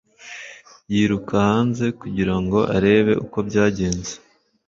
yiruka hanze kugira ngo arebe uko byagenze